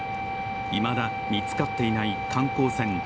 いまだ見つかっていない観光船